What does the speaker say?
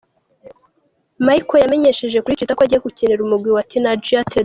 Mikel yamenyesheje kuri Twitter ko agiye gukinira umugwi wa Tianjin Teda.